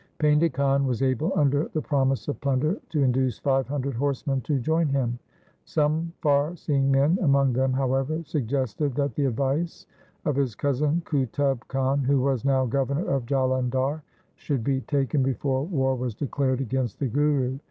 Painda Khan was able, under the promise of plunder, to induce five hundred horsemen to join him. Some far seeing men among them, however, suggested that the advice of his cousin Qutub Khan, who was now governor of Jalandhar, should be taken before war was declared against the Guru.